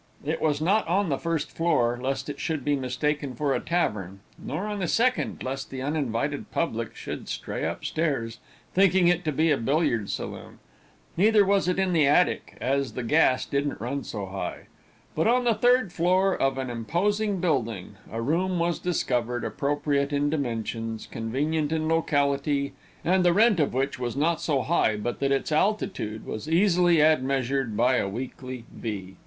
It was not on the first floor, lest it should be mistaken for a tavern; nor on the second, lest the uninvited public should stray up stairs, thinking it to be a billiard saloon; neither was it in the attic, as the gas didn't run so high; but on the third floor of an imposing building, a room was discovered, appropriate in dimensions, convenient in locality, and the rent of which was not so high but that its altitude was easily admeasured by a weekly V.